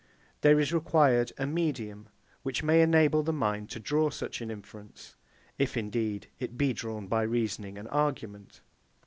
There is required a medium, which may enable the mind to draw such an inference, if indeed it be drawn by reasoning and argument.